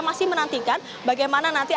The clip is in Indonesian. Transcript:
kita akan menantikan bagaimana nanti